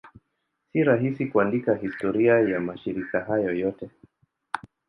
Si rahisi kuandika historia ya mashirika hayo yote.